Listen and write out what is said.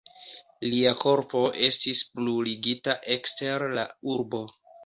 Lia korpo estis bruligita ekster la urbo.